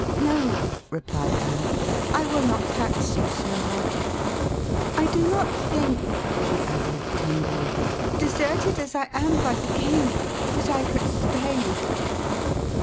"No," replied Anne, "I will not tax you so hardly. I do not think," she added tenderly, "deserted as I am by the king, that I could spare you."